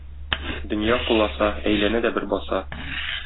Дөнья куласа - әйләнә дә бер баса.